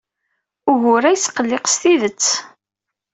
Ugur-a yesqelliq s tidet.